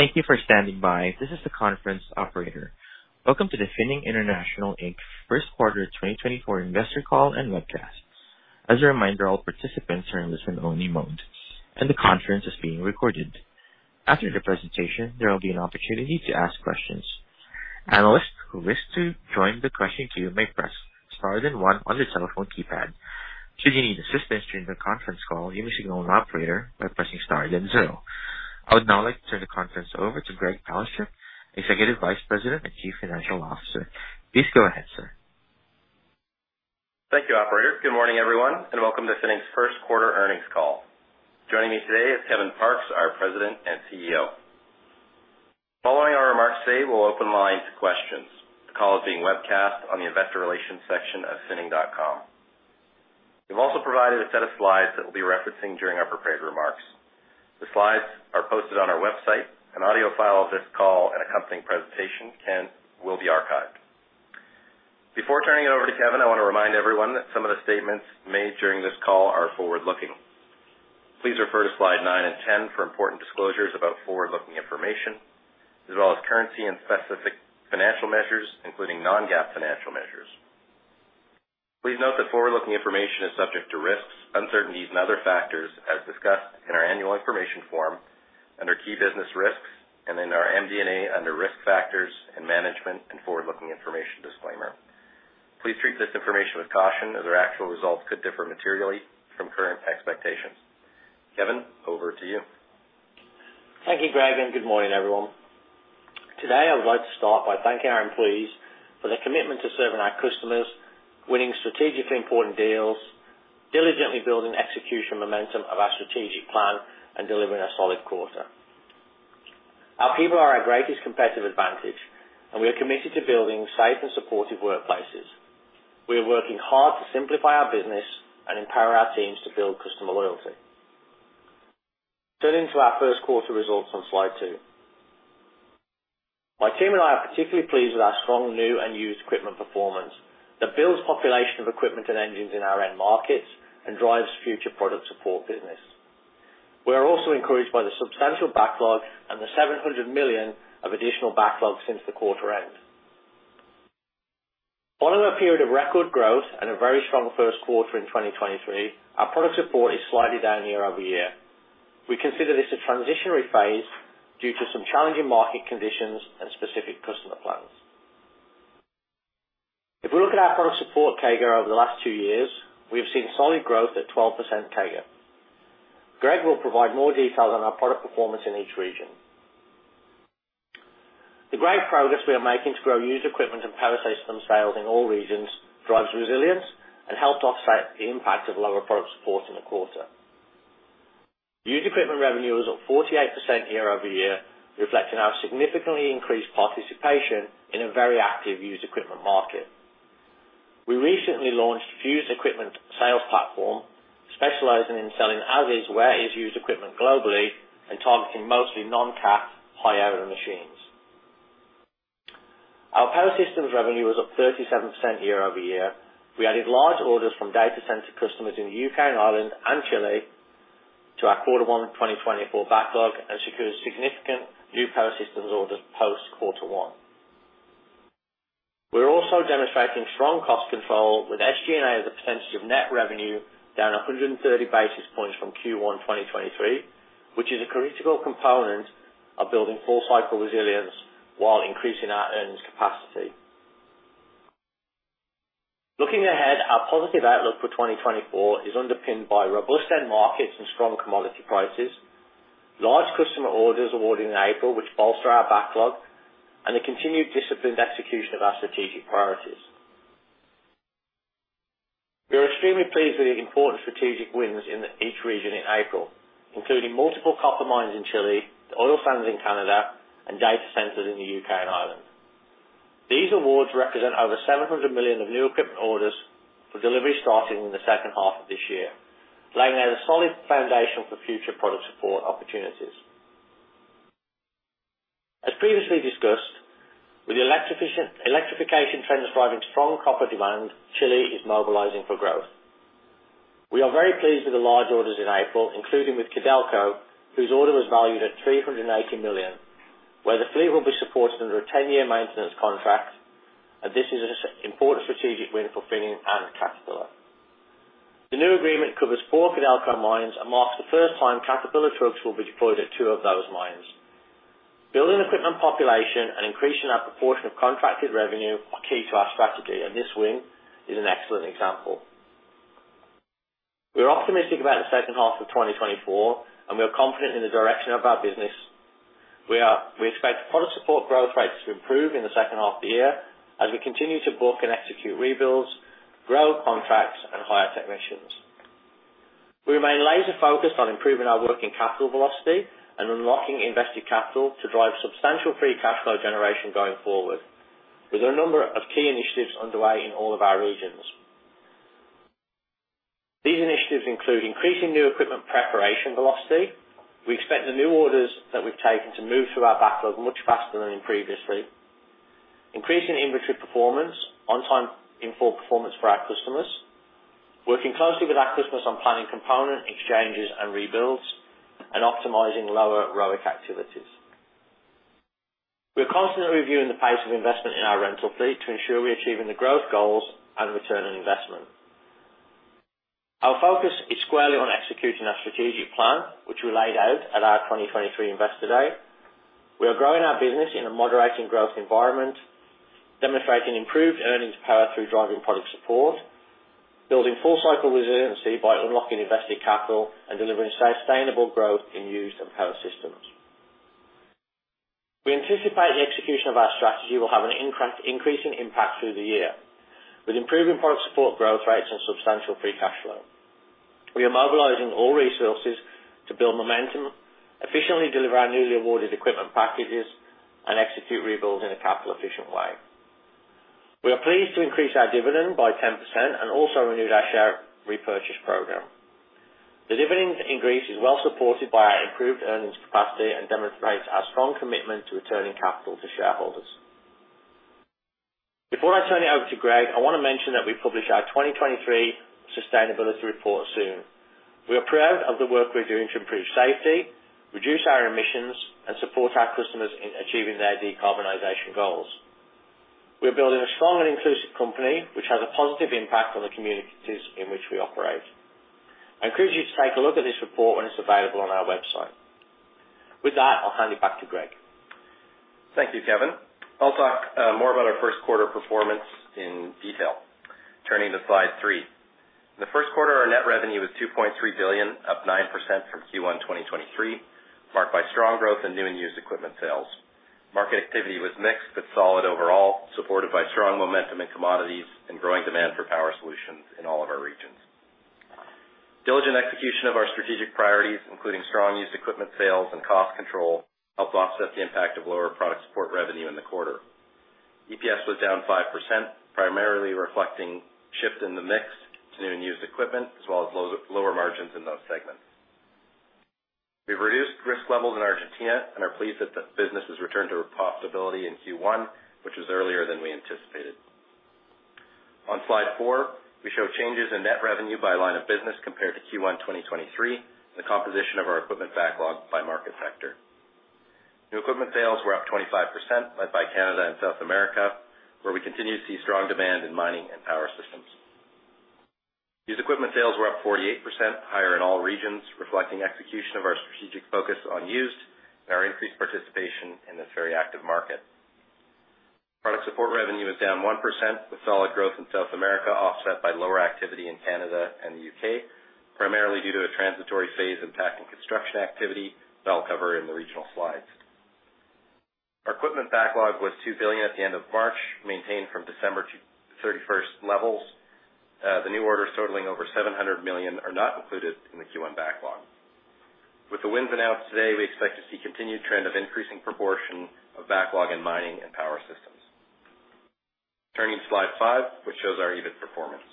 Thank you for standing by. This is the conference operator. Welcome to the Finning International Inc. first quarter 2024 investor call and Webcast. As a reminder, all participants are in listen-only mode, and the conference is being recorded. After the presentation, there will be an opportunity to ask questions. Analysts who wish to join the question queue may press star then one on their telephone keypad. Should you need assistance during the conference call, you may signal an operator by pressing star then zero. I would now like to turn the conference over to Greg Palaschuk, Executive Vice President and Chief Financial Officer. Please go ahead, sir. Thank you, operator. Good morning, everyone, and welcome to Finning's first quarter earnings call. Joining me today is Kevin Parkes, our President and CEO. Following our remarks today, we'll open lines to questions, the call is being webcast on the investor relations section of finning.com. We've also provided a set of slides that we'll be referencing during our prepared remarks. The slides are posted on our website. An audio file of this call and accompanying presentation will be archived. Before turning it over to Kevin, I want to remind everyone that some of the statements made during this call are forward-looking. Please refer to slide nine and ten for important disclosures about forward-looking information, as well as currency and specific financial measures, including non-GAAP financial measures. Please note that forward-looking information is subject to risks, uncertainties and other factors, as discussed in our annual information form under Key Business Risks and in our MD&A under Risk Factors and Management and Forward-Looking Information Disclaimer. Please treat this information with caution, as our actual results could differ materially from current expectations. Kevin, over to you. Thank you, Greg, and good morning, everyone. Today, I would like to start by thanking our employees for their commitment to serving our customers, winning strategically important deals, diligently building execution momentum of our strategic plan, and delivering a solid quarter. Our people are our greatest competitive advantage, and we are committed to building safe and supportive workplaces. We are working hard to simplify our business and empower our teams to build customer loyalty. Turning to our first quarter results on slide two. My team and I are particularly pleased with our strong new and used equipment performance that builds population of equipment and engines in our end markets and drives future product support business. We are also encouraged by the substantial backlog and the 700 million of additional backlog since the quarter end. Following a period of record growth and a very strong first quarter in 2023, our product support is slightly down year-over-year. We consider this a transitionary phase due to some challenging market conditions and specific customer plans. If we look at our product support CAGR over the last two years, we've seen solid growth at 12% CAGR. Greg will provide more details on our product performance in each region. The great progress we are making to grow used equipment and power system sales in all regions drives resilience and helped offset the impact of lower product support in the quarter. Used equipment revenue was up 48% year-over-year, reflecting our significantly increased participation in a very active used equipment market. We recently launched Used Equipment Sales Platform, specializing in selling as is, where is used equipment globally and targeting mostly non-Cat, high-hour machines. Our Power Systems revenue was up 37% year-over-year. We added large orders from data center customers in the UK and Ireland and Chile to our Q1 2024 backlog and secured significant new Power Systems orders post Q1. We're also demonstrating strong cost control with SG&A as a percentage of net revenue down 130 basis points from Q1 2023, which is a critical component of building full cycle resilience while increasing our earnings capacity. Looking ahead, our positive outlook for 2024 is underpinned by robust end markets and strong commodity prices, large customer orders awarded in April, which bolster our backlog, and the continued disciplined execution of our strategic priorities. We are extremely pleased with the important strategic wins in each region in April, including multiple copper mines in Chile, oil sands in Canada, and data centers in the UK and Ireland. These awards represent over 700 million of new equipment orders for delivery starting in the second half of this year, laying out a solid foundation for future product support opportunities. As previously discussed, with the electrification trend driving strong copper demand, Chile is mobilizing for growth. We are very pleased with the large orders in April, including with Codelco, whose order was valued at 380 million, where the fleet will be supported under a 10-year maintenance contract, and this is an important strategic win for Finning and Caterpillar. The new agreement covers 4 Codelco mines and marks the first time Caterpillar trucks will be deployed at 2 of those mines. Building equipment population and increasing our proportion of contracted revenue are key to our strategy, and this win is an excellent example. We are optimistic about the second half of 2024, and we are confident in the direction of our business. We expect product support growth rates to improve in the second half of the year as we continue to book and execute rebuilds, grow contracts, and hire technicians. We remain laser focused on improving our working capital velocity and unlocking invested capital to drive substantial free cash flow generation going forward. There's a number of key initiatives underway in all of our regions. These initiatives include increasing new equipment preparation velocity. We expect the new orders that we've taken to move through our backlog much faster than previously. increasing inventory performance, on time in full performance for our customers, working closely with our customers on planning component exchanges and rebuilds, and optimizing lower ROIC activities. We are constantly reviewing the pace of investment in our rental fleet to ensure we are achieving the growth goals and return on investment. Our focus is squarely on executing our strategic plan, which we laid out at our 2023 Investor Day. We are growing our business in a moderating growth environment, demonstrating improved earnings power through driving product support, building full cycle resiliency by unlocking invested capital, and delivering sustainable growth in used and Power Systems. We anticipate the execution of our strategy will have an increasing impact through the year, with improving product support growth rates and substantial free cash flow. We are mobilizing all resources to build momentum, efficiently deliver our newly awarded equipment packages, and execute rebuilds in a capital efficient way. We are pleased to increase our dividend by 10% and also renewed our share repurchase program. The dividend increase is well supported by our improved earnings capacity and demonstrates our strong commitment to returning capital to shareholders. Before I turn it over to Greg, I want to mention that we publish our 2023 sustainability report soon. We are proud of the work we're doing to improve safety, reduce our emissions, and support our customers in achieving their decarbonization goals. We are building a strong and inclusive company, which has a positive impact on the communities in which we operate. I encourage you to take a look at this report when it's available on our website. With that, I'll hand it back to Greg. Thank you, Kevin. I'll talk more about our first quarter performance in detail. Turning to slide three. In the first quarter, our net revenue was 2.3 billion, up 9% from Q1 2023, marked by strong growth in new and used equipment sales. Market activity was mixed but solid overall, supported by strong momentum in commodities and growing demand for power solutions in all of our regions. Diligent execution of our strategic priorities, including strong used equipment sales and cost control, helped offset the impact of lower product support revenue in the quarter. EPS was down 5%, primarily reflecting shifts in the mix to new and used equipment, as well as lower margins in those segments. We've reduced risk levels in Argentina and are pleased that the business has returned to profitability in Q1, which is earlier than we anticipated. On slide four, we show changes in net revenue by line of business compared to Q1 2023, the composition of our equipment backlog by market sector. New equipment sales were up 25%, led by Canada and South America, where we continue to see strong demand in mining and Power Systems. Used equipment sales were up 48%, higher in all regions, reflecting execution of our strategic focus on used and our increased participation in this very active market. Product support revenue was down 1%, with solid growth in South America, offset by lower activity in Canada and the UK, primarily due to a transitory phase impacting construction activity that I'll cover in the regional slides. Our equipment backlog was 2 billion at the end of March, maintained from December 31 levels. The new orders, totaling over 700 million, are not included in the Q1 backlog. With the wins announced today, we expect to see continued trend of increasing proportion of backlog in mining and Power Systems. Turning to slide five, which shows our EBIT performance.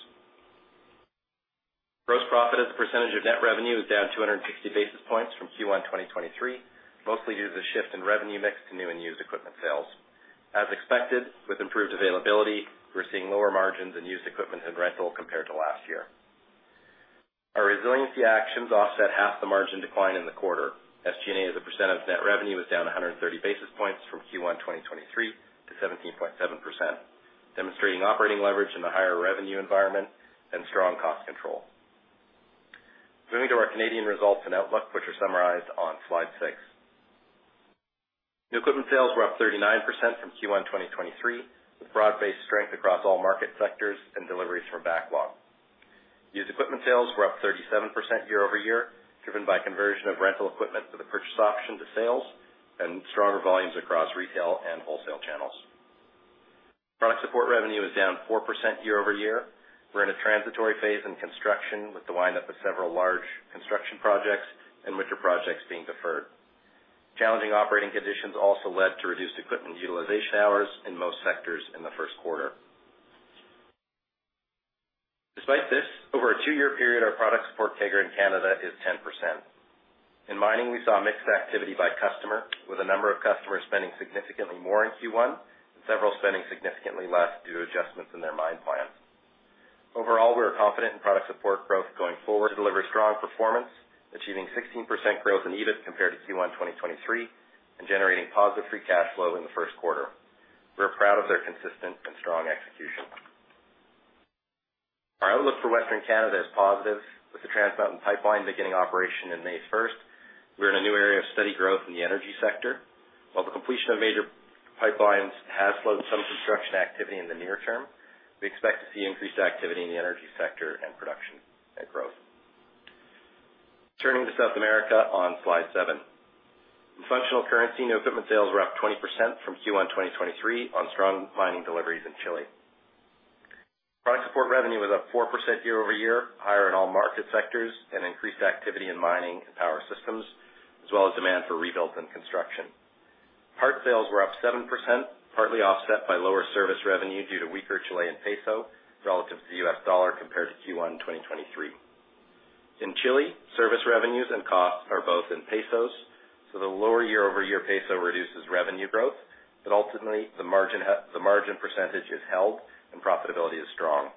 Gross profit as a percentage of net revenue is down 250 basis points from Q1 2023, mostly due to the shift in revenue mix to new and used equipment sales. As expected, with improved availability, we're seeing lower margins in used equipment and rental compared to last year. Our resiliency actions offset half the margin decline in the quarter. SG&A, as a percent of net revenue, was down 130 basis points from Q1 2023 to 17.7%, demonstrating operating leverage in the higher revenue environment and strong cost control. Moving to our Canadian results and outlook, which are summarized on slide six. New equipment sales were up 39% from Q1 2023, with broad-based strength across all market sectors and deliveries from backlog. Used equipment sales were up 37% year over year, driven by conversion of rental equipment to the purchase option to sales and stronger volumes across retail and wholesale channels. Product support revenue is down 4% year over year. We're in a transitory phase in construction, with the wind up of several large construction projects and winter projects being deferred. Challenging operating conditions also led to reduced equipment utilization hours in most sectors in the first quarter. Despite this, over a 2-year period, our product support CAGR in Canada is 10%. In mining, we saw mixed activity by customer, with a number of customers spending significantly more in Q1 and several spending significantly less due to adjustments in their mine plans. Overall, we are confident in product support growth going forward to deliver strong performance, achieving 16% growth in EBIT compared to Q1 2023, and generating positive free cash flow in the first quarter. We are proud of their consistent and strong execution. Our outlook for Western Canada is positive, with the Trans Mountain pipeline beginning operation in May first. We're in a new area of steady growth in the energy sector. While the completion of major pipelines has slowed some construction activity in the near term, we expect to see increased activity in the energy sector and production and growth. Turning to South America on slide seven. In functional currency, new equipment sales were up 20% from Q1 2023, on strong mining deliveries in Chile. Product support revenue was up 4% year-over-year, higher in all market sectors and increased activity in mining and Power Systems, as well as demand for rebuilds and construction. Parts sales were up 7%, partly offset by lower service revenue due to weaker Chilean peso relative to the U.S. dollar compared to Q1 2023. In Chile, service revenues and costs are both in pesos, so the lower year-over-year peso reduces revenue growth, but ultimately the margin, the margin percentage is held and profitability is strong.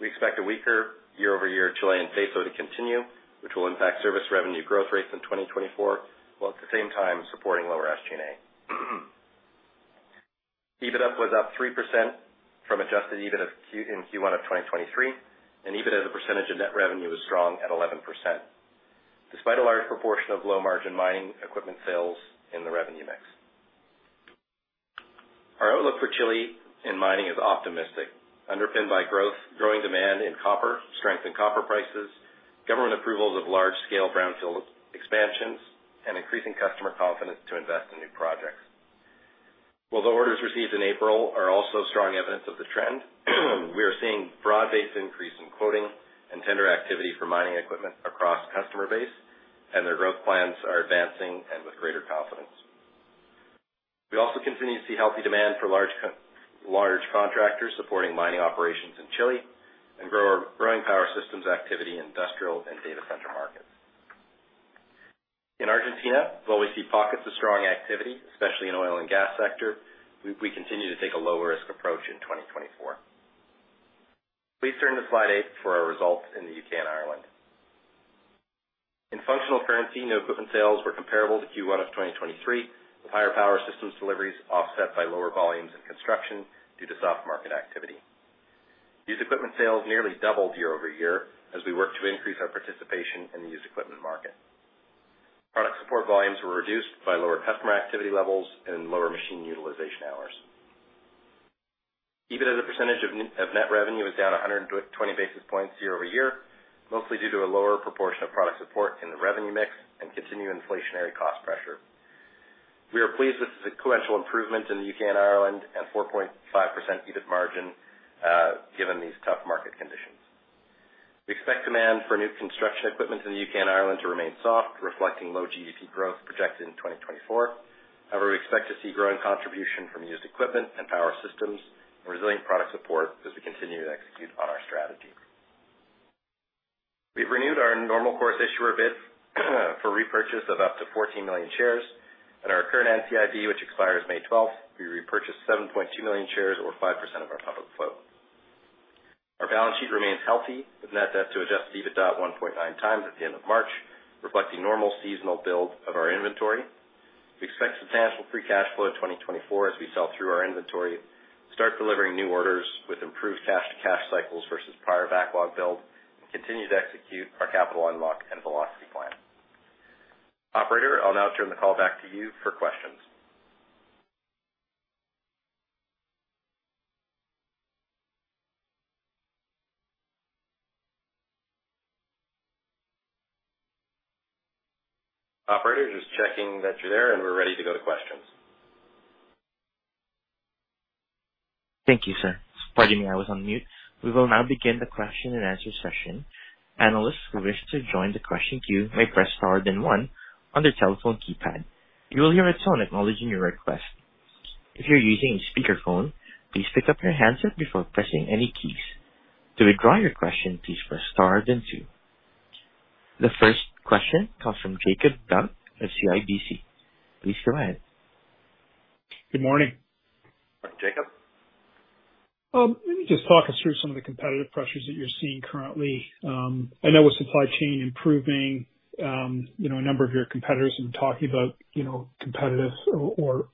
We expect a weaker year-over-year Chilean peso to continue, which will impact service revenue growth rates in 2024, while at the same time supporting lower SG&A. EBITDA was up 3% from Adjusted EBITDA in Q1 of 2023, and EBITDA as a percentage of net revenue is strong at 11%, despite a large proportion of low-margin mining equipment sales in the revenue mix. Our outlook for Chile in mining is optimistic, underpinned by growth, growing demand in copper, strength in copper prices, government approvals of large-scale brownfield expansions, and increasing customer confidence to invest in new projects. While the orders received in April are also strong evidence of the trend, we are seeing broad-based increase in quoting and tender activity for mining equipment across customer base, and their growth plans are advancing and with greater confidence. We also continue to see healthy demand for large contractors supporting mining operations in Chile and grow our growing Power Systems activity in industrial and data center markets. In Argentina, while we see pockets of strong activity, especially in oil and gas sector, we continue to take a low-risk approach in 2024. Please turn to slide eight for our results in the UK and Ireland. In functional currency, new equipment sales were comparable to Q1 of 2023, with higher Power Systems deliveries offset by lower volumes in construction due to soft market activity. Used equipment sales nearly doubled year-over-year, as we worked to increase our participation in the used equipment market. Product support volumes were reduced by lower customer activity levels and lower machine utilization hours. EBITDA as a percentage of net revenue was down 120 basis points year-over-year, mostly due to a lower proportion of product support in the revenue mix and continued inflationary cost pressure. We are pleased this is a sequential improvement in the UK and Ireland at 4.5% EBITDA margin, given these tough market conditions. We expect demand for new construction equipment in the UK and Ireland to remain soft, reflecting low GDP growth projected in 2024. However, we expect to see growing contribution from used equipment and Power Systems and resilient product support as we continue to execute on our strategy. We've renewed our normal course issuer bid for repurchase of up to 14 million shares, and our current NCIB, which expires May twelfth, we repurchased 7.2 million shares, or 5% of our public float. Our balance sheet remains healthy, with net debt to Adjusted EBITDA at 1.9 times at the end of March, reflecting normal seasonal build of our inventory. We expect substantial free cash flow in 2024 as we sell through our inventory, start delivering new orders with improved cash to cash cycles versus prior backlog build, and continue to execute our capital unlock and velocity plan. Operator, I'll now turn the call back to you for questions. Operator, just checking that you're there, and we're ready to go to questions. Thank you, sir. Pardon me, I was on mute. We will now begin the question and answer session. Analysts who wish to join the question queue may press star then one on their telephone keypad. You will hear a tone acknowledging your request. If you're using a speakerphone, please pick up your handset before pressing any keys. To withdraw your question, please press star then two. The first question comes from Jacob Dunn at CIBC. Please go ahead. Good morning. Morning, Jacob. Let me just talk us through some of the competitive pressures that you're seeing currently. I know with supply chain improving, you know, a number of your competitors have been talking about, you know, competitive or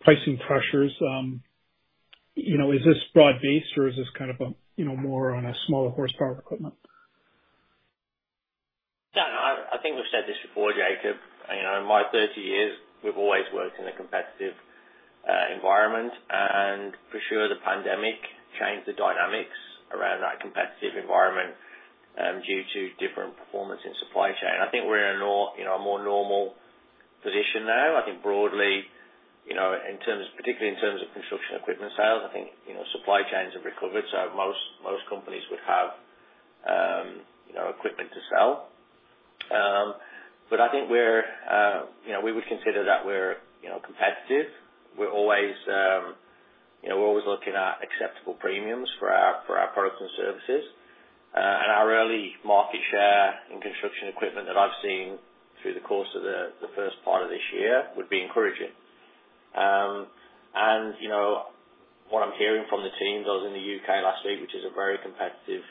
pricing pressures. You know, is this broad-based, or is this kind of, you know, more on a smaller horsepower equipment? Yeah, I think we've said this before, Jacob. You know, in my 30 years, we've always worked in a competitive environment. And for sure, the pandemic changed the dynamics around that competitive environment due to different performance in supply chain. I think we're in a, you know, more normal position now. I think broadly, you know, in terms, particularly in terms of construction equipment sales, I think, you know, supply chains have recovered, so most companies would have, you know, equipment to sell. But I think we're, you know, we would consider that we're, you know, competitive. We're always, you know, we're always looking at acceptable premiums for our products and services. And our early market share in construction equipment that I've seen through the course of the first part of this year would be encouraging. And, you know, what I'm hearing from the teams, I was in the UK last week, which is a very competitive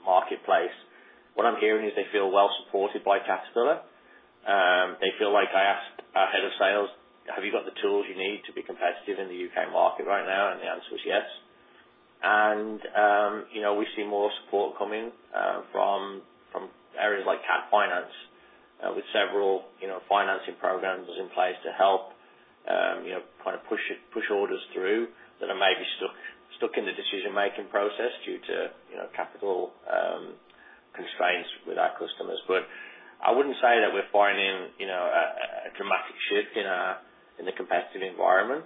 marketplace. What I'm hearing is they feel well supported by Caterpillar. They feel like I asked our head of sales, "Have you got the tools you need to be competitive in the UK market right now?" And the answer was yes. And, you know, we see more support coming from areas like Cat Finance with several, you know, financing programs in place to help, you know, kind of push orders through that are maybe stuck in the decision-making process due to, you know, capital constraints with our customers. But I wouldn't say that we're finding, you know, a dramatic shift in the competitive environment.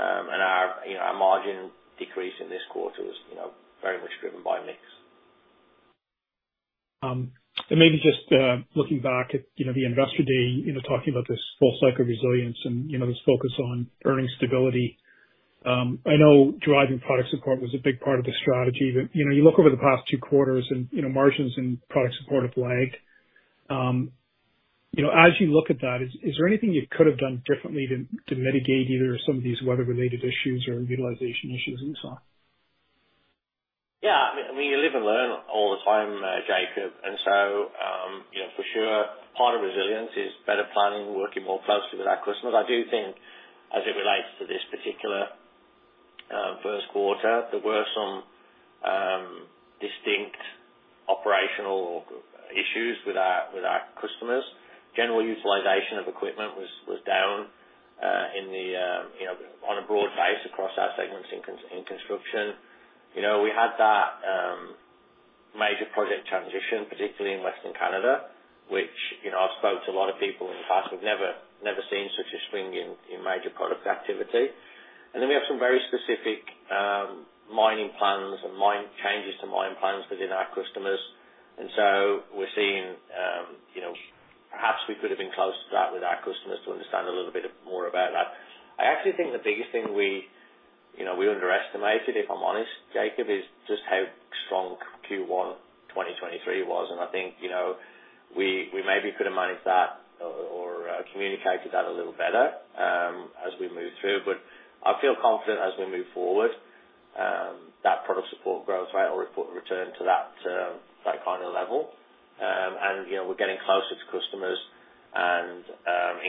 Our, you know, our margin decrease in this quarter was, you know, very much driven by mix. And maybe just looking back at, you know, the Investor Day, you know, talking about this full cycle resilience and, you know, this focus on earnings stability. I know driving product support was a big part of the strategy, but, you know, you look over the past two quarters and, you know, margins and product support have lagged. You know, as you look at that, is there anything you could have done differently to mitigate either some of these weather-related issues or utilization issues and so on? Yeah, I mean, you live and learn all the time, Jacob, and so, you know, for sure, part of resilience is better planning, working more closely with our customers. I do think as it relates to this particular first quarter, there were some distinct operational issues with our customers. General utilization of equipment was down, you know, on a broad base across our segments in construction. You know, we had that major project transition, particularly in Western Canada, which, you know, I've spoke to a lot of people in the past who've never seen such a swing in major product activity. And then we have some very specific mining plans and changes to mine plans within our customers. So we're seeing, you know, perhaps we could have been closer to that with our customers to understand a little bit more about that. I actually think the biggest thing we, you know, we underestimated, if I'm honest, Jacob, is just how strong Q1 2023 was, and I think, you know, we maybe could have managed that or communicated that a little better as we moved through. But I feel confident as we move forward that product support growth rate will report a return to that that kind of level. And, you know, we're getting closer to customers and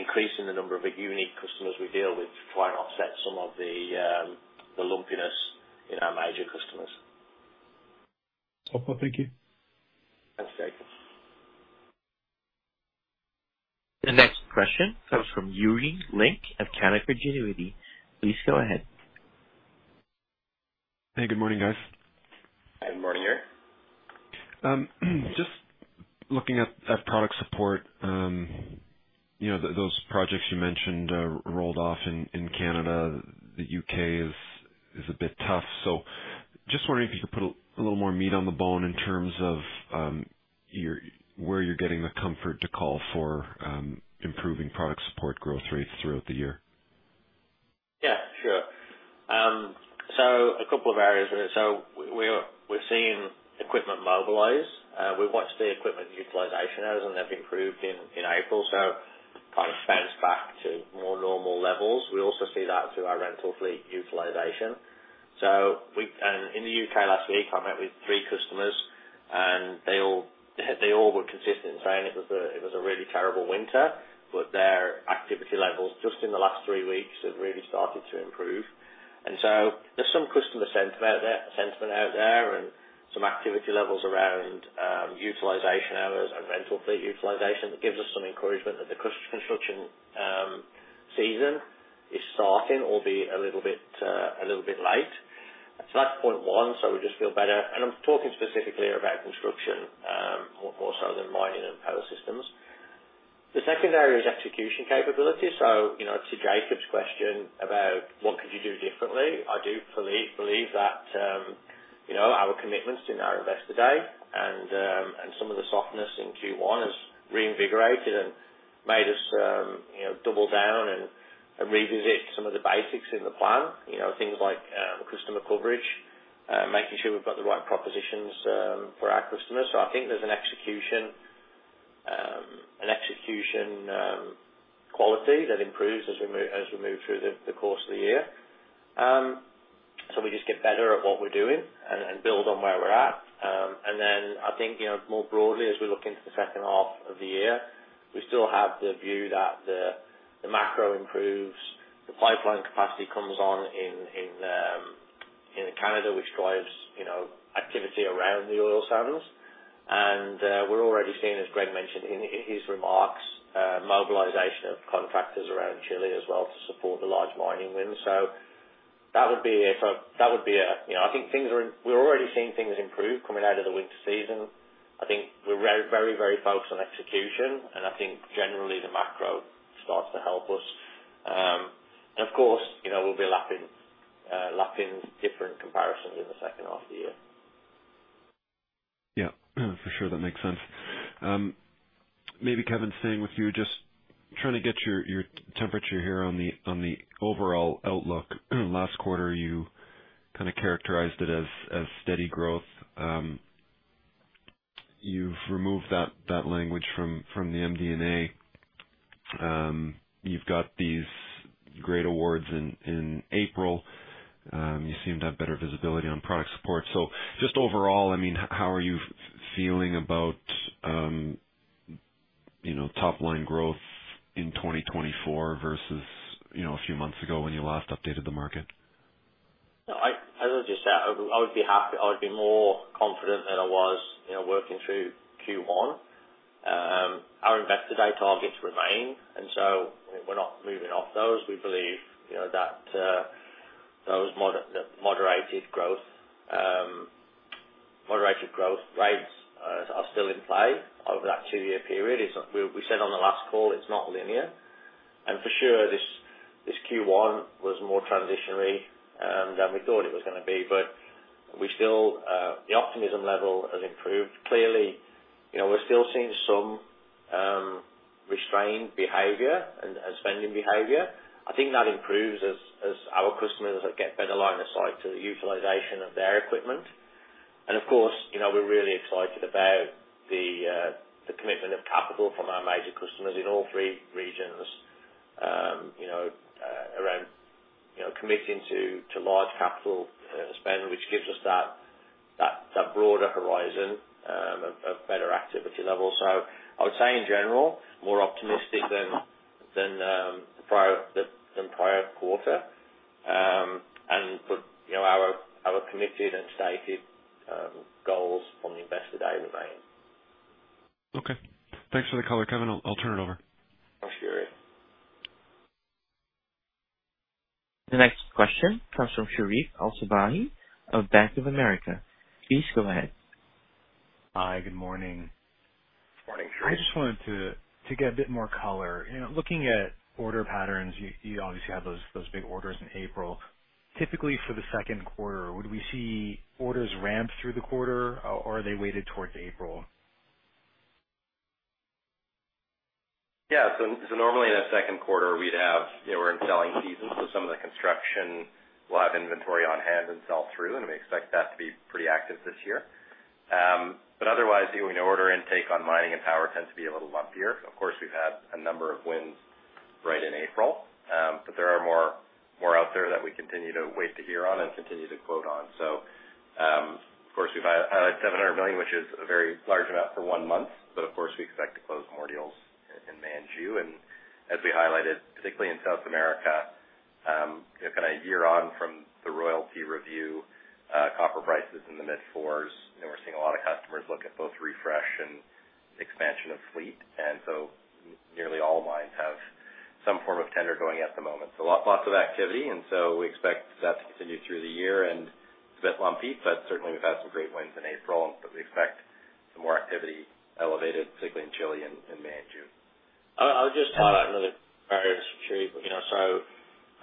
increasing the number of unique customers we deal with to try and offset some of the lumpiness in our major customers. Okay, thank you. Thanks, Jacob. The next question comes from Yuri Lynk at Canaccord Genuity. Please go ahead. Hey, good morning, guys. Good morning, Yuri. Just looking at product support, you know, those projects you mentioned rolled off in Canada. The UK is a bit tough. So just wondering if you could put a little more meat on the bone in terms of where you're getting the comfort to call for improving product support growth rates throughout the year. Yeah, sure. So a couple of areas. So we're seeing equipment mobilize. We've watched the equipment utilization hours, and they've improved in April, so kind of bounced back to more normal levels. We also see that through our rental fleet utilization. And in the UK last week, I met with three customers, and they all were consistent in saying it was a really terrible winter, but their activity levels just in the last three weeks have really started to improve. And so there's some customer sentiment out there and some activity levels around utilization hours and rental fleet utilization, that gives us some encouragement that the construction season is starting, albeit a little bit late. So that's point one, so we just feel better. I'm talking specifically about construction, more so than mining and Power Systems. The second area is execution capability. So, you know, to Jacob's question about what could you do differently? I do believe that, you know, our commitments in our Investor Day and some of the softness in Q1 has reinvigorated and made us, you know, double down and revisit some of the basics in the plan. You know, things like customer coverage, making sure we've got the right propositions for our customers. So I think there's an execution quality that improves as we move through the course of the year. So we just get better at what we're doing and build on where we're at. And then I think, you know, more broadly, as we look into the second half of the year, we still have the view that the macro improves, the pipeline capacity comes on in Canada, which drives, you know, activity around the oil sands. We're already seeing, as Greg mentioned in his remarks, mobilization of contractors around Chile as well to support the large mining win. So that would be a... You know, I think we're already seeing things improve coming out of the winter season. I think we're very, very, very focused on execution, and I think generally the macro starts to help us. And of course, you know, we'll be lapping different comparisons in the second half of the year. Yeah, for sure. That makes sense. Maybe Kevin, staying with you, just trying to get your, your temperature here on the, on the overall outlook. Last quarter, you kind of characterized it as, as steady growth. You've removed that, that language from, from the MD&A. You've got these great awards in, in April. You seem to have better visibility on product support. So just overall, I mean, how are you feeling about, you know, top line growth in 2024 versus, you know, a few months ago when you last updated the market? No, as I just said, I would be more confident than I was, you know, working through Q1. Our Investor Day targets remain, and so we're not moving off those. We believe, you know, that those moderated growth rates are still in play over that two-year period. It's, we said on the last call, it's not linear. And for sure, this Q1 was more transitionary than we thought it was gonna be. But we still, the optimism level has improved. Clearly, you know, we're still seeing some restrained behavior and spending behavior. I think that improves as our customers get better line of sight to the utilization of their equipment. Of course, you know, we're really excited about the commitment of capital from our major customers in all three regions. You know, around committing to large capital spend, which gives us that broader horizon of better activity levels. So I would say in general, more optimistic than the prior quarter. And but, you know, our committed and stated goals on the Investor Day remain. Okay. Thanks for the color, Kevin. I'll, I'll turn it over. Thanks, Yuri. The next question comes from Sherif El-Sabbahy of Bank of America. Please go ahead. Hi, good morning. Morning, Sherif. I just wanted to get a bit more color. You know, looking at order patterns, you obviously have those big orders in April. Typically, for the second quarter, would we see orders ramp through the quarter, or are they weighted towards April? Yeah. So normally in the second quarter, we'd have, you know, we're in selling season, so some of the construction lot of inventory on hand and sell through, and we expect that to be pretty active this year. But otherwise, you know, order intake on mining and power tends to be a little lumpier. Of course, we've had a number of wins right in April, but there are more out there that we continue to wait to hear on and continue to quote on. So, of course, we've had 700 million, which is a very large amount for one month. But of course, we expect to close more deals in May and June, and as we highlighted, particularly in South America, you know, kind of year-on from the royalty review, copper prices in the mid-fours, and we're seeing a lot of customers look at both refresh and expansion of fleet. And so nearly all mines have some form of tender going at the moment. So lots of activity, and so we expect that to continue through the year, and it's a bit lumpy, but certainly we've had some great wins in April, and so we expect some more activity elevated, particularly in Chile and in May and June. I'll just highlight another area, Sherif. You know, so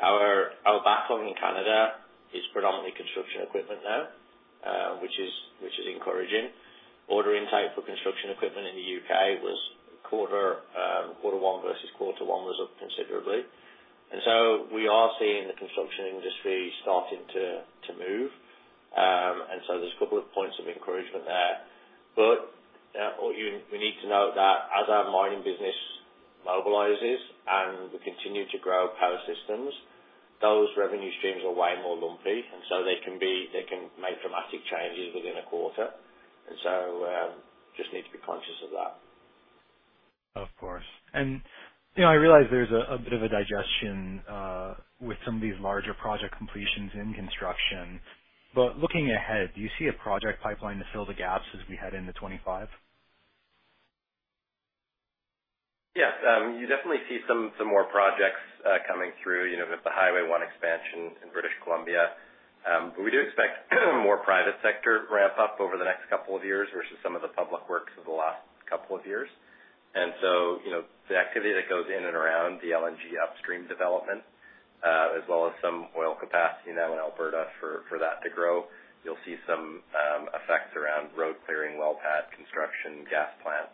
our backlog in Canada is predominantly construction equipment now, which is encouraging. Order intake for construction equipment in the U.K. was quarter one versus quarter one was up considerably. And so we are seeing the construction industry starting to move. And so there's a couple of points of encouragement there. But what you need to know that as our mining business mobilizes and we continue to grow Power Systems, those revenue streams are way more lumpy, and so they can make dramatic changes within a quarter. And so just need to be conscious of that. Of course. And, you know, I realize there's a bit of a digestion with some of these larger project completions in construction. But looking ahead, do you see a project pipeline to fill the gaps as we head into 2025? Yes. You definitely see some more projects coming through, you know, with the Highway 1 expansion in British Columbia. But we do expect more private sector ramp up over the next couple of years versus some of the public works over the last couple of years. And so, you know, the activity that goes in and around the LNG upstream development, as well as some oil capacity now in Alberta for that to grow, you'll see some effects around road clearing, well pad construction, gas plant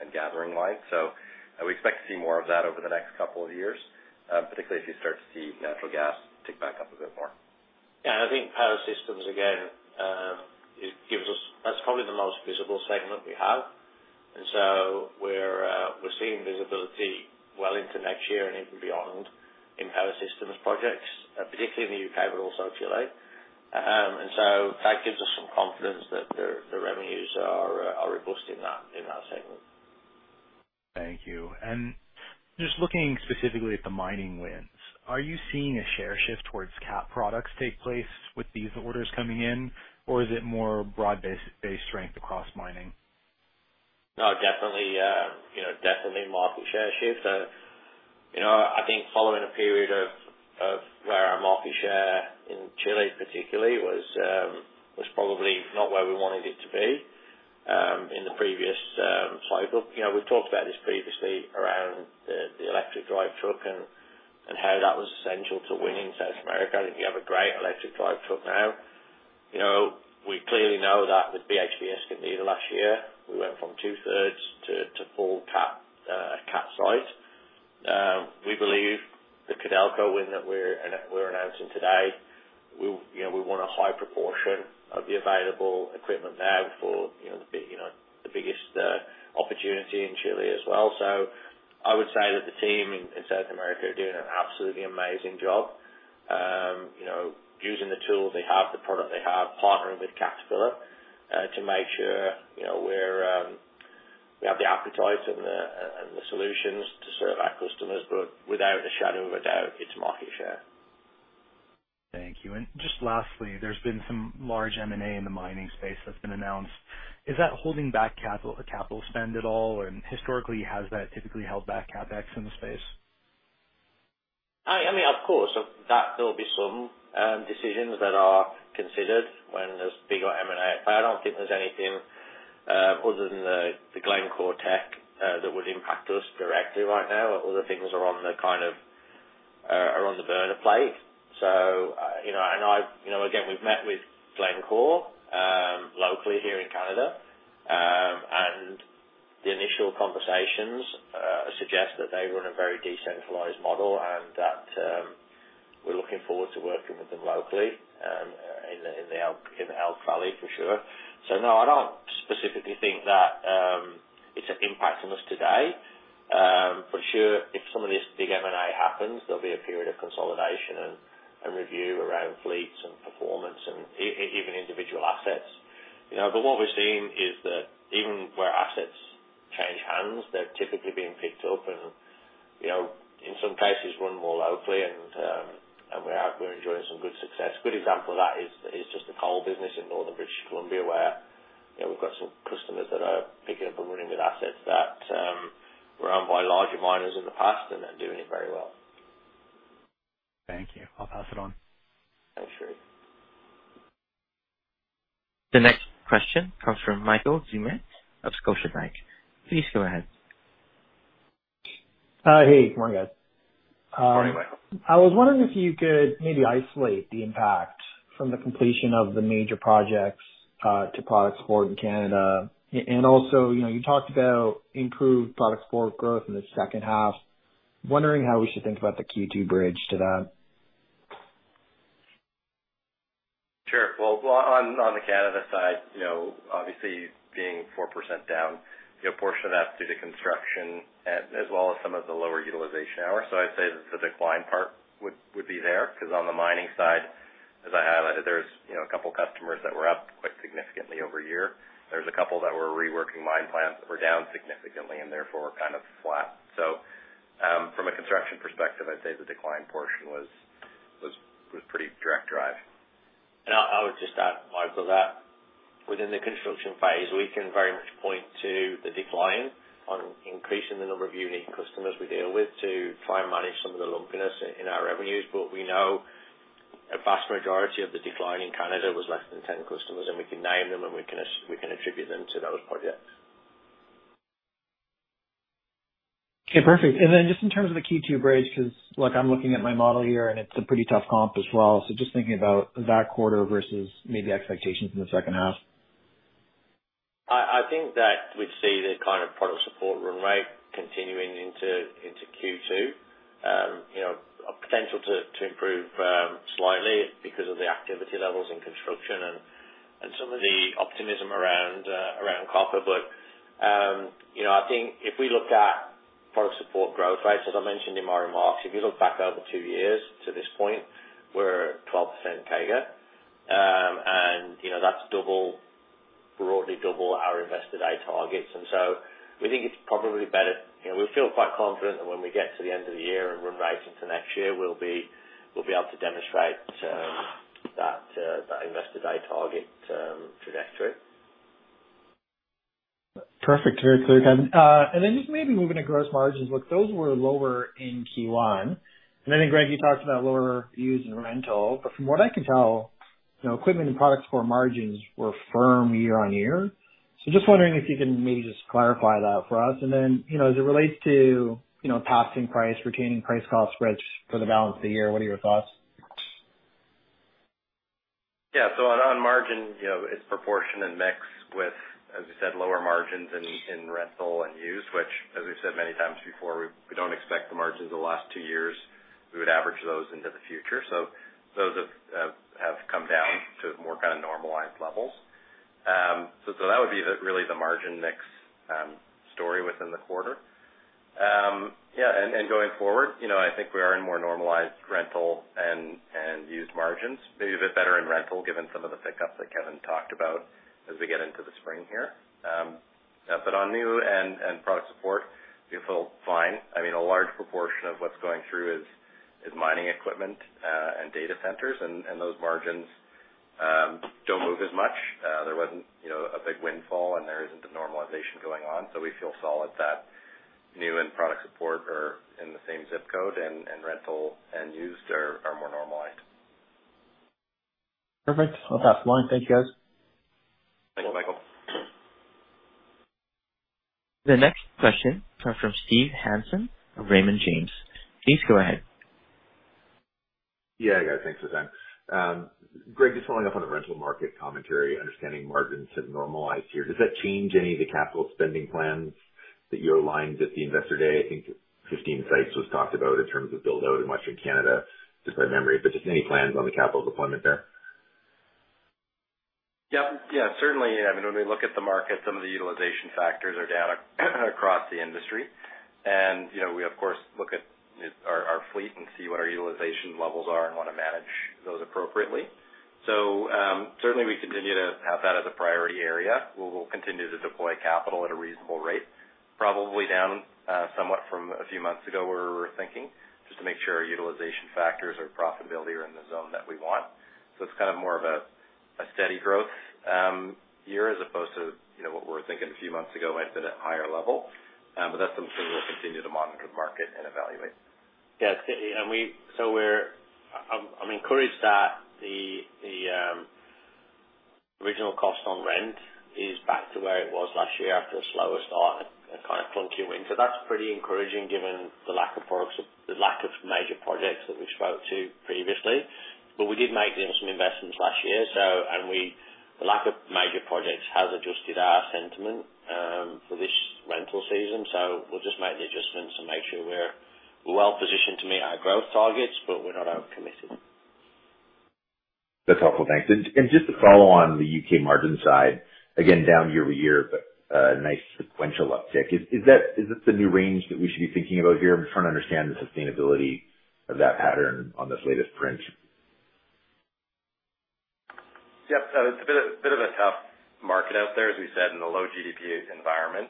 and gathering lines. So we expect to see more of that over the next couple of years, particularly as you start to see natural gas tick back up a bit more. Yeah, and I think Power Systems, again, it gives us... That's probably the most visible segment we have. And so we're, we're seeing visibility well into next year and even beyond in Power Systems projects, particularly in the U.K., but also Chile. And so that gives us some confidence that the, the revenues are, are robust in that, in that segment. Thank you. Just looking specifically at the mining wins, are you seeing a share shift towards Cat products take place with these orders coming in, or is it more broad-based strength across mining? No, definitely, you know, definitely market share shift. You know, I think following a period of where our market share in Chile particularly was, was probably not where we wanted it to be, in the previous cycle. You know, we've talked about this previously around the electric drive truck and how that was essential to winning South America. I think we have a great electric drive truck now. You know, we clearly know that with BHP's in the last year, we went from two-thirds to full Cat site. We believe the Codelco win that we're announcing today, you know, we want a high proportion of the available equipment there for, you know, the biggest opportunity in Chile as well. So I would say that the team in South America are doing an absolutely amazing job. You know, using the tool they have, the product they have, partnering with Caterpillar to make sure, you know, we have the appetite and the solutions to serve our customers, but without a shadow of a doubt, it's market share. Thank you. And just lastly, there's been some large M&A in the mining space that's been announced. Is that holding back capital, the capital spend at all? And historically, has that typically held back CapEx in the space? I mean, of course, that there will be some decisions that are considered when there's bigger M&A, but I don't think there's anything other than the Glencore Teck that would impact us directly right now. Other things are on the back burner. So, you know, and I, you know, again, we've met with Glencore locally here in Canada. And the initial conversations suggest that they run a very decentralized model, and that we're looking forward to working with them locally in the Elk Valley, for sure. So no, I don't specifically think that it's impacting us today. For sure, if some of this big M&A happens, there'll be a period of consolidation and review around fleets and performance and even individual assets. You know, but what we're seeing is that even where assets change hands, they're typically being picked up and, you know, in some cases, run more locally and we are, we're enjoying some good success. Good example of that is just the coal business in Northern British Columbia, where, you know, we've got some customers that are picking up and running with assets that were owned by larger miners in the past, and they're doing it very well. Thank you. I'll pass it on. Thanks, Sherif. The next question comes from Michael Doumet of Scotiabank. Please go ahead. Hey, good morning, guys. Morning, Michael. I was wondering if you could maybe isolate the impact from the completion of the major projects to product support in Canada? And also, you know, you talked about improved product support growth in the second half. Wondering how we should think about the Q2 bridge to that? Sure. Well, well, on, on the Canada side, you know, obviously being 4% down, you know, a portion of that's due to construction, as well as some of the lower utilization hours. So I'd say that the decline part would, would be there, because on the mining side, as I highlighted, there's, you know, a couple customers that were up quite significantly over a year. There's a couple that were reworking mine plans that were down significantly, and therefore, we're kind of flat. So, from a construction perspective, I'd say the decline portion was, was, was pretty direct drive. I would just add, Michael, that within the construction phase, we can very much point to the decline on increasing the number of unique customers we deal with, to try and manage some of the lumpiness in our revenues. But we know a vast majority of the decline in Canada was less than 10 customers, and we can name them, and we can attribute them to those projects. Okay, perfect. And then, just in terms of the Q2 bridge, because, look, I'm looking at my model here, and it's a pretty tough comp as well. So just thinking about that quarter versus maybe expectations in the second half. I think that we've seen a kind of product support run rate continuing into Q2. You know, a potential to improve slightly because of the activity levels in construction and some of the optimism around copper. But you know, I think if we looked at product support growth rates, as I mentioned in my remarks, if you look back over two years to this point, we're at 12% CAGR. And you know, that's double, broadly double our Investor Day targets. And so we think it's probably better. You know, we feel quite confident that when we get to the end of the year and run rates into next year, we'll be able to demonstrate that Investor Day target trajectory. Perfect. Very clear, Kevin. And then just maybe moving to gross margins. Look, those were lower in Q1, and I think, Greg, you talked about lower use in rental. But from what I can tell, you know, equipment and product core margins were firm year-over-year. So just wondering if you can maybe just clarify that for us, and then, you know, as it relates to, you know, passing price, retaining price cost spreads for the balance of the year, what are your thoughts? Yeah, so on margin, you know, it's proportion and mix with, as you said, lower margins in rental and used, which, as we've said many times before, we don't expect the margins the last two years, we would average those into the future. So those have come down to more kind of normalized levels. So that would be really the margin mix story within the quarter. Yeah, and going forward, you know, I think we are in more normalized rental and used margins. Maybe a bit better in rental, given some of the pickups that Kevin talked about as we get into the spring here. But on new and product support, we feel fine. I mean, a large proportion of what's going through is mining equipment, and data centers, and those margins don't move as much. There wasn't, you know, a big windfall, and there isn't a normalization going on, so we feel solid that new and product support are in the same zip code, and rental and used are more normalized. Perfect. I'll pass the line. Thank you, guys. Thank you, Michael. The next question comes from Steve Hansen of Raymond James. Please go ahead. Yeah, guys, thanks for that. Greg, just following up on the rental market commentary, understanding margins have normalized here. Does that change any of the capital spending plans that you outlined at the Investor Day? I think 15 sites was talked about in terms of build out and much in Canada, just by memory, but just any plans on the capital deployment there? Yep. Yeah, certainly. I mean, when we look at the market, some of the utilization factors are down across the industry. And, you know, we, of course, look at our fleet and see what our utilization levels are and want to manage those appropriately. So, certainly we continue to have that as a priority area. We will continue to deploy capital at a reasonable rate, probably down somewhat from a few months ago, where we were thinking, just to make sure our utilization factors or profitability are in the zone that we want. So it's kind of more of a steady growth year, as opposed to, you know, what we were thinking a few months ago might be at a higher level. But that's something we'll continue to monitor the market and evaluate. Yeah, so our cost on rent is back to where it was last year after a slower start and a kind of clunky winter. That's pretty encouraging, given the lack of projects, the lack of major projects that we spoke to previously. But we did make some investments last year, so, the lack of major projects has adjusted our sentiment for this rental season. So we'll just make the adjustments and make sure we're well positioned to meet our growth targets, but we're not overcommitted. That's helpful. Thanks. And just to follow on the UK margin side, again, down year-over-year, but nice sequential uptick. Is that the new range that we should be thinking about here? I'm trying to understand the sustainability of that pattern on this latest print. Yep. So it's a bit of a tough market out there, as we said, in a low GDP environment.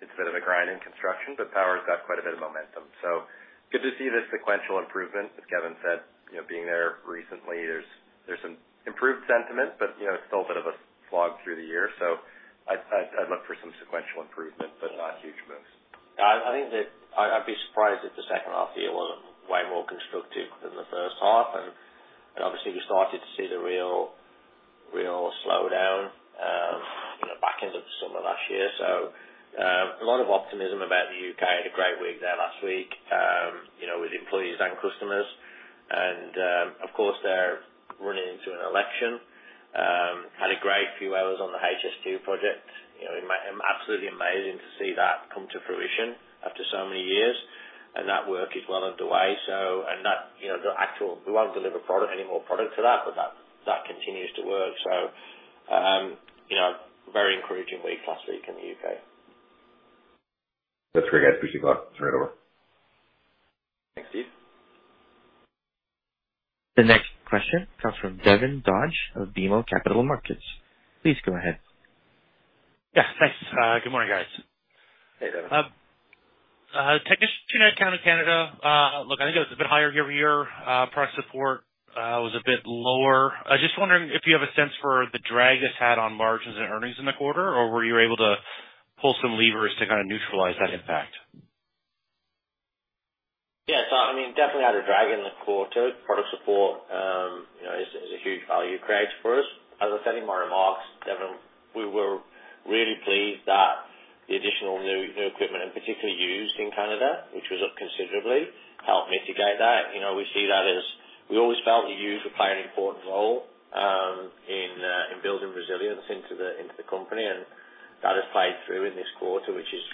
It's a bit of a grind in construction, but power's got quite a bit of momentum. So good to see the sequential improvement, as Kevin said, you know, being there recently, there's some improved sentiment, but, you know, it's still a bit of a slog through the year. So I'd look for some sequential improvement, but not huge moves. I think that I'd be surprised if the second half of the year wasn't way more constructive than the first half. And obviously, we started to see the real slowdown, you know, back end of the summer last year. So, a lot of optimism about the UK. Had a great week there last week, you know, with employees and customers. And, of course, they're running into an election. Had a great few hours on the HS2 project. You know, it's absolutely amazing to see that come to fruition after so many years, and that work is well underway. So, and that, you know, the actual... We won't deliver any more product to that, but that continues to work. So, you know, very encouraging week last week in the UK. That's great, guys. Appreciate the call. Turn it over. Thanks, Steve. The next question comes from Devin Dodge of BMO Capital Markets. Please go ahead. Yeah, thanks. Good morning, guys. Hey, Devin. Technician account in Canada, look, I think it was a bit higher year-over-year. Product support was a bit lower. I just wondering if you have a sense for the drag this had on margins and earnings in the quarter, or were you able to pull some levers to kind of neutralize that impact? Yeah, so I mean, definitely had a drag in the quarter. Product support, you know, is a huge value creator for us. As I said in my remarks, Devin, we were really pleased that the additional new equipment, and particularly used in Canada, which was up considerably, helped mitigate that. You know, we see that as we always felt the used would play an important role in building resilience into the company, and that has played through in this quarter, which is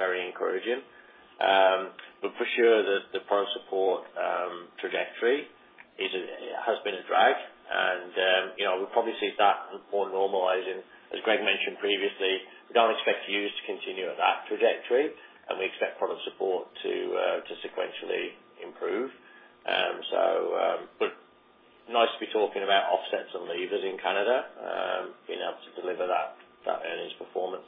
very encouraging. But for sure, the product support trajectory has been a drag. You know, we'll probably see that more normalizing. As Greg mentioned previously, we don't expect used to continue at that trajectory, and we expect product support to sequentially improve. Nice to be talking about offsets and levers in Canada, being able to deliver that, that earnings performance.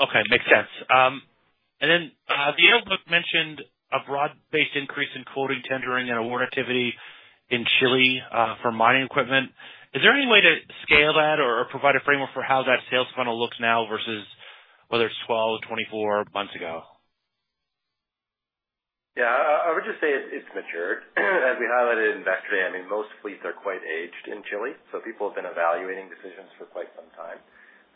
Okay, makes sense. And then, the annual book mentioned a broad-based increase in quoting, tendering, and award activity in Chile, for mining equipment. Is there any way to scale that or, or provide a framework for how that sales funnel looks now versus whether it's 12 or 24 months ago? Yeah. I would just say it's matured. As we highlighted in Investor Day, I mean, most fleets are quite aged in Chile, so people have been evaluating decisions for quite some time.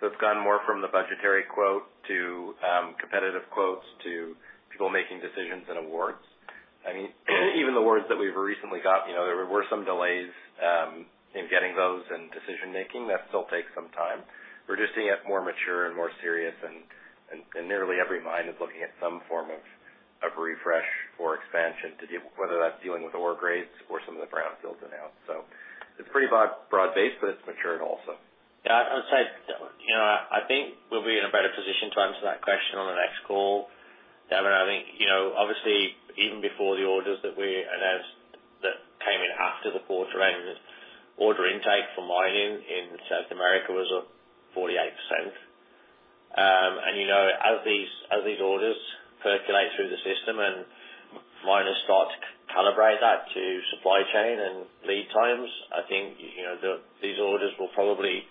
So it's gone more from the budgetary quote to competitive quotes, to people making decisions and awards. I mean, even the awards that we've recently got, you know, there were some delays in getting those and decision-making. That still takes some time. We're just seeing it more mature and more serious, and nearly every mine is looking at some form of refresh or expansion to deal, whether that's dealing with ore grades or some of the brownfields announced. So it's pretty broad, broad-based, but it's maturing also. Yeah, I would say, you know, I think we'll be in a better position to answer that question on the next call. Devin, I think, you know, obviously, even before the orders that we... and as that came in after the quarter end, order intake for mining in South America was up 48%. And, you know, as these, as these orders percolate through the system and miners start to calibrate that to supply chain and lead times, I think, you know, these orders will probably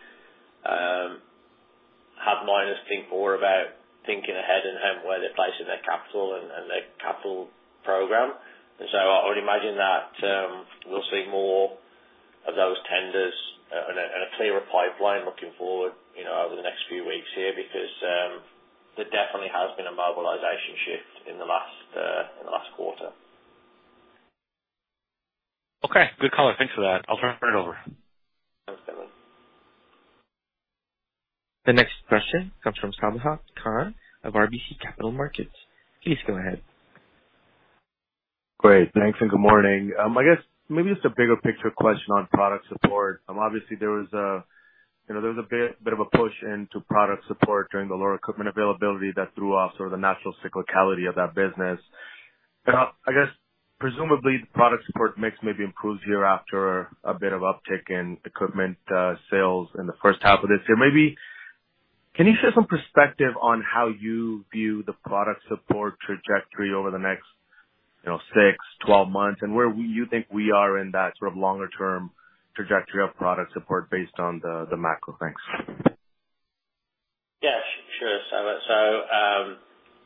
have miners think more about thinking ahead and having where they're placing their capital and, and their capital program. So I would imagine that we'll see more of those tenders and a clearer pipeline looking forward, you know, over the next few weeks here, because there definitely has been a mobilization shift in the last quarter. Okay. Good call. Thanks for that. I'll turn it over. Thanks, Devin. The next question comes from Sabahat Khan of RBC Capital Markets. Please go ahead. Great, thanks, and good morning. I guess maybe just a bigger picture question on product support. Obviously there was a, you know, there was a bit of a push into product support during the lower equipment availability that threw off sort of the natural cyclicality of that business. I guess presumably the product support mix maybe improves year after a bit of uptick in equipment sales in the first half of this year. Maybe, can you share some perspective on how you view the product support trajectory over the next, you know, six, twelve months, and where you think we are in that sort of longer term trajectory of product support based on the macro? Thanks. ...So,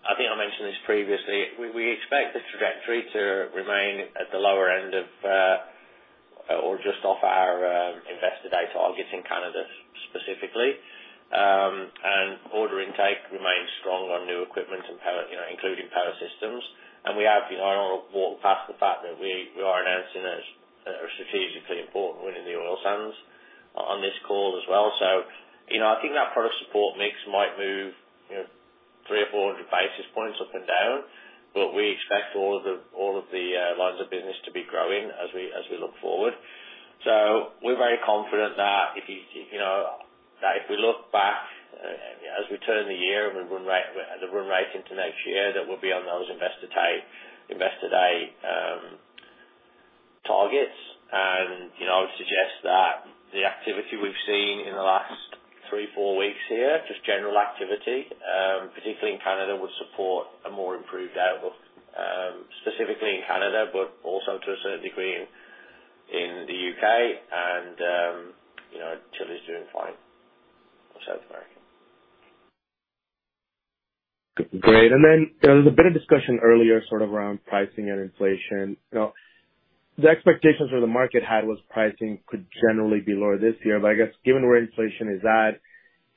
I think I mentioned this previously. We expect the trajectory to remain at the lower end of, or just off our, Investor Day targets in Canada, specifically. And order intake remains strong on new equipment and power, you know, including Power Systems. And we have, you know, I don't want to walk past the fact that we are announcing a strategically important win in the oil sands on this call as well. So, you know, I think that product support mix might move, you know, 300 or 400 basis points up and down, but we expect all of the lines of business to be growing as we look forward. So we're very confident that if you, you know, that if we look back, as we turn the year and we run the run rate into next year, that we'll be on those Investor Day targets. And, you know, I would suggest that the activity we've seen in the last three, four weeks here, just general activity, particularly in Canada, would support a more improved outlook, specifically in Canada, but also to a certain degree in the UK. And, you know, Chile is doing fine in South America. Great. And then there was a bit of discussion earlier, sort of around pricing and inflation. You know, the expectations where the market had was pricing could generally be lower this year, but I guess given where inflation is at,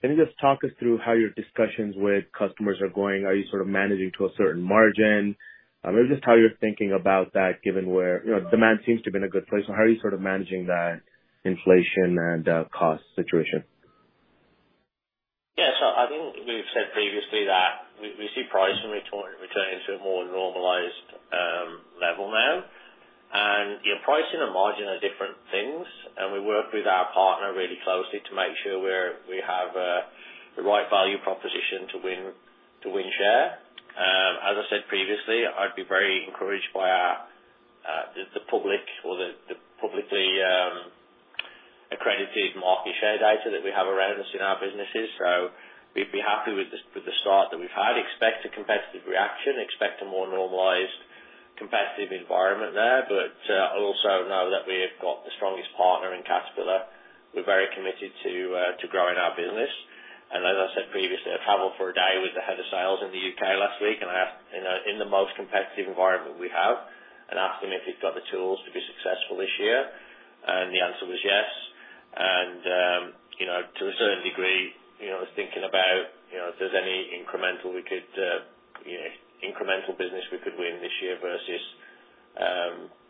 can you just talk us through how your discussions with customers are going? Are you sort of managing to a certain margin? Maybe just how you're thinking about that, given where, you know, demand seems to be in a good place. So how are you sort of managing that inflation and cost situation? Yeah, so I think we've said previously that we see pricing returning to a more normalized level now. And, you know, pricing and margin are different things, and we work with our partner really closely to make sure we have the right value proposition to win, to win share. As I said previously, I'd be very encouraged by our publicly accredited market share data that we have around us in our businesses. So we'd be happy with the start that we've had. Expect a competitive reaction, expect a more normalized competitive environment there, but also know that we have got the strongest partner in Caterpillar. We're very committed to growing our business. As I said previously, I traveled for a day with the head of sales in the UK last week, and I asked. In the most competitive environment we have, and asked him if he'd got the tools to be successful this year. The answer was yes. You know, to a certain degree, you know, I was thinking about, you know, if there's any incremental we could, you know, incremental business we could win this year versus,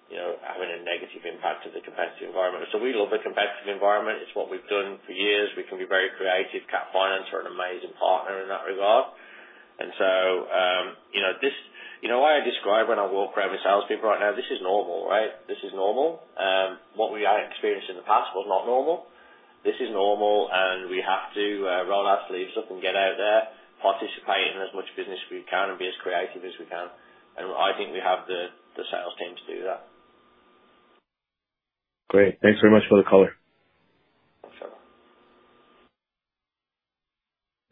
you know, having a negative impact to the competitive environment. So we love the competitive environment. It's what we've done for years. We can be very creative. Cat Finance are an amazing partner in that regard. So, you know, this. You know what I describe when I walk around with salespeople right now? This is normal, right? This is normal. What we had experienced in the past was not normal. This is normal, and we have to roll our sleeves up and get out there, participate in as much business as we can, and be as creative as we can. And I think we have the sales team to do that. Great. Thanks very much for the color. Sure.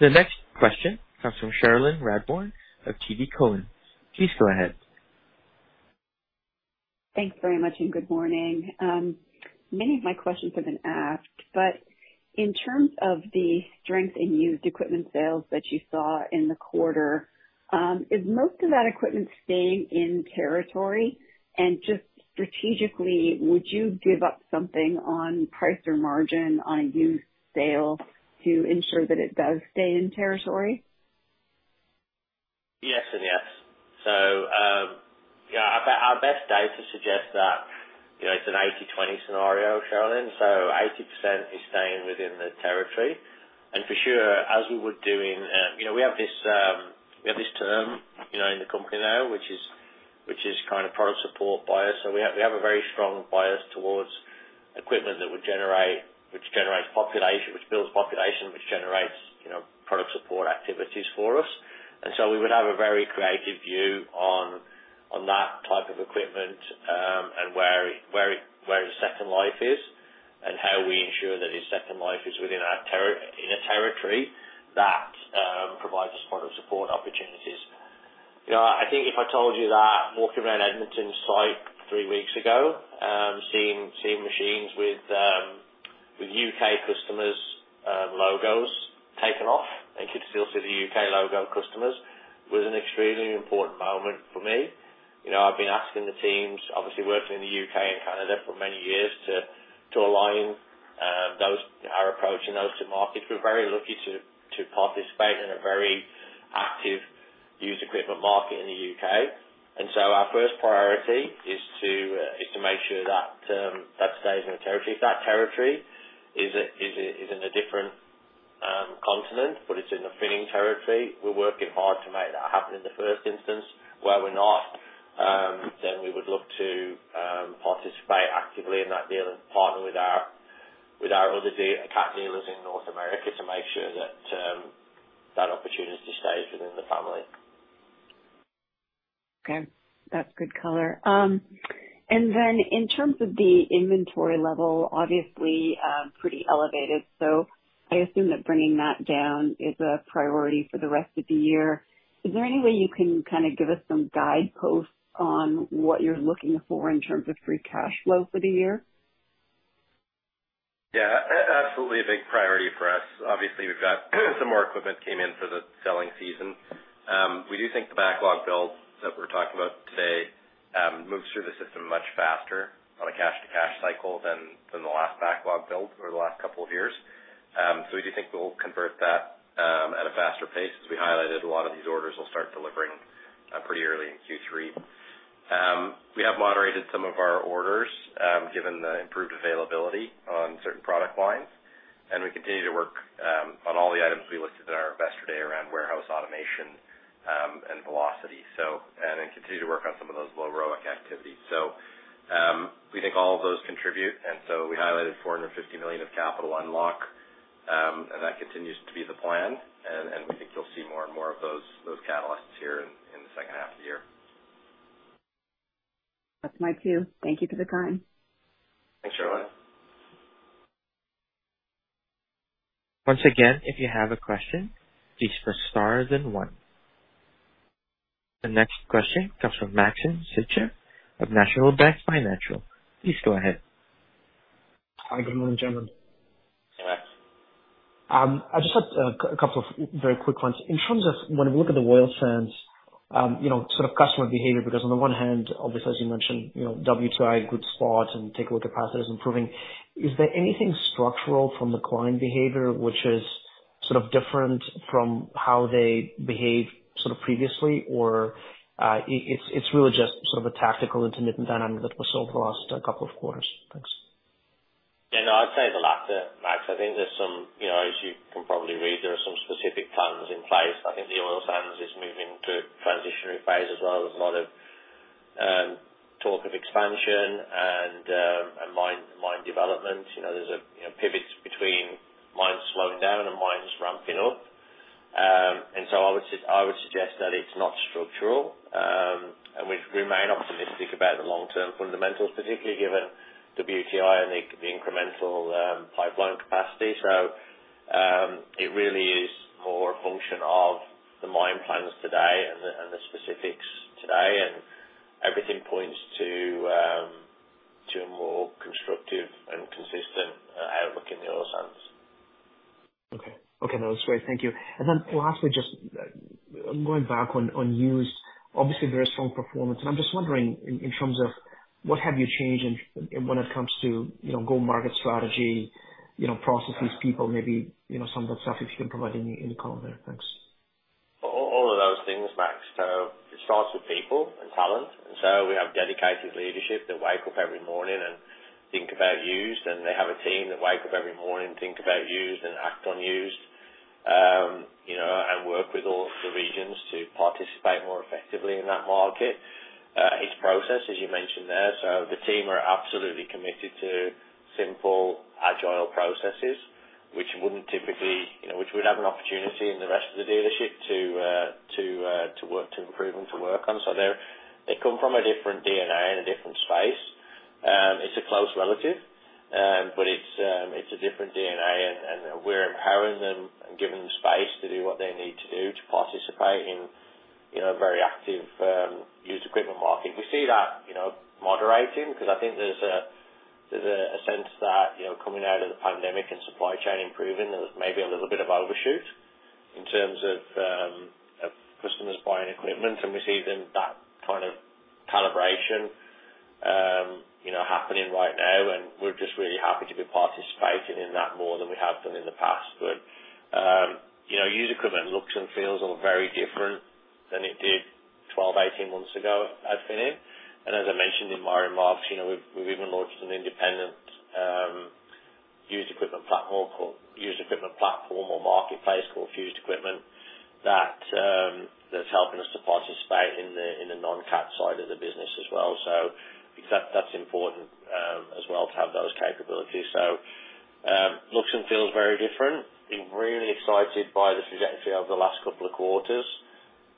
The next question comes from Cherilyn Radbourne of TD Cowen. Please go ahead. Thanks very much, and good morning. Many of my questions have been asked, but in terms of the strength in used equipment sales that you saw in the quarter, is most of that equipment staying in territory? And just strategically, would you give up something on price or margin on used sales to ensure that it does stay in territory? Yes and yes. So, yeah, our best data suggests that, you know, it's an 80/20 scenario, Cherilyn, so 80% is staying within the territory. And for sure, as we were doing... You know, we have this term, you know, in the company now, which is kind of product support bias. So we have a very strong bias towards equipment that would generate- which generates population, which builds population, which generates, you know, product support activities for us. And so we would have a very creative view on that type of equipment, and where it, where it, where the second life is, and how we ensure that the second life is within our territory that provides us product support opportunities. You know, I think if I told you that walking around Edmonton site three weeks ago, seeing machines with UK customers' logos taken off, and you could still see the UK logo customers, was an extremely important moment for me. You know, I've been asking the teams, obviously working in the UK and Canada for many years, to align our approach in those two markets. We're very lucky to participate in a very active used equipment market in the UK. And so our first priority is to make sure that stays in the territory. If that territory is in a different continent, but it's in the Finning territory, we're working hard to make that happen in the first instance. Where we're not, then we would look to participate actively in that deal and partner with our other Cat dealers in North America to make sure that opportunity stays within the family. Okay, that's good color. In terms of the inventory level, obviously, pretty elevated. I assume that bringing that down is a priority for the rest of the year. Is there any way you can kind of give us some guideposts on what you're looking for in terms of free cash flow for the year?... Yeah, absolutely a big priority for us. Obviously, we've got some more equipment came in for the selling season. We do think the backlog build that we're talking about today moves through the system much faster on a cash-to-cash cycle than the last backlog build over the last couple of years. So we do think we'll convert that at a faster pace. As we highlighted, a lot of these orders will start delivering pretty early in Q3. We have moderated some of our orders given the improved availability on certain product lines, and we continue to work on all the items we listed in our Investor Day around warehouse automation and velocity. So, and then continue to work on some of those low ROIC activities. So, we think all of those contribute, and so we highlighted 450 million of capital unlock, and that continues to be the plan. And, and we think you'll see more and more of those, those catalysts here in, in the second half of the year. That's my cue. Thank you for the time. Thanks, Cherilyn. Once again, if you have a question, please press star then one. The next question comes from Maxim Sytchev of National Bank Financial. Please go ahead. Hi, good morning, gentlemen. Hey, Max. I just had a couple of very quick ones. In terms of when we look at the oil sands, you know, sort of customer behavior, because on the one hand, obviously, as you mentioned, you know, WTI, good spot, and take a look at capacity is improving. Is there anything structural from the client behavior, which is sort of different from how they behaved sort of previously? Or, it's, it's really just sort of a tactical intermittent dynamic that was over the last couple of quarters? Thanks. Yeah, no, I'd say the latter, Max. I think there's some... You know, as you can probably read, there are some specific plans in place. I think the oil sands is moving to a transitionary phase as well. There's a lot of talk of expansion and mine development. You know, there's pivots between mines slowing down and mines ramping up. And so I would suggest that it's not structural. And we remain optimistic about the long-term fundamentals, particularly given WTI and the incremental pipeline capacity. So, it really is more a function of the mine plans today and the specifics today, and everything points to a more constructive and consistent outcome in the oil sands. Okay. Okay, no, that's great. Thank you. And then lastly, just going back on, on used, obviously, very strong performance. And I'm just wondering, in, in terms of what have you changed in, when it comes to, you know, go-to-market strategy, you know, processes, people, maybe, you know, some of that stuff, if you can provide any, any color there? Thanks. All, all of those things, Max. So it starts with people and talent. So we have dedicated leadership that wake up every morning and think about used, and they have a team that wake up every morning, think about used and act on used. You know, and work with all the regions to participate more effectively in that market. It's process, as you mentioned there, so the team are absolutely committed to simple, agile processes, which wouldn't typically... You know, which would have an opportunity in the rest of the dealership to work, to improve and to work on. So they come from a different DNA and a different space. It's a close relative, but it's a different DNA, and we're empowering them and giving them space to do what they need to do to participate in, you know, a very active used equipment market. We see that, you know, moderating, because I think there's a sense that, you know, coming out of the pandemic and supply chain improving, there's maybe a little bit of overshoot in terms of customers buying equipment. And we're seeing that kind of calibration, you know, happening right now, and we're just really happy to be participating in that more than we have been in the past. But, you know, used equipment looks and feels all very different than it did 12, 18 months ago at Finning. And as I mentioned in my remarks, you know, we've even launched an independent used equipment platform called Used Equipment, that's helping us to participate in the non-Cat side of the business as well. So that's important, as well, to have those capabilities. So, looks and feels very different. We're really excited by the trajectory over the last couple of quarters,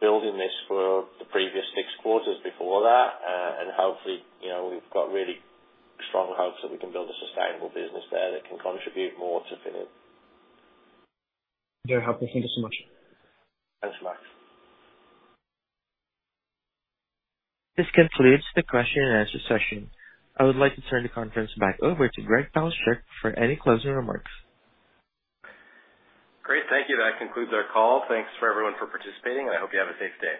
building this for the previous six quarters before that. And hopefully, you know, we've got really strong hopes that we can build a sustainable business there that can contribute more to Finning. Very helpful. Thank you so much. Thanks, Max. This concludes the question and answer session. I would like to turn the conference back over to Greg Palaschuk for any closing remarks. Great, thank you. That concludes our call. Thanks for everyone for participating, and I hope you have a safe day.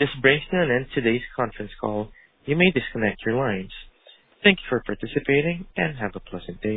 This brings an end to today's conference call. You may disconnect your lines. Thank you for participating, and have a pleasant day.